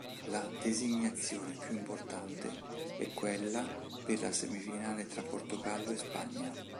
La designazione più importante è quella per la semifinale tra Portogallo e Spagna.